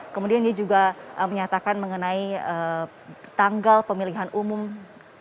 kemudian dia juga menyatakan mengenai tanggal pemilihan umum tahun dua ribu dua puluh empat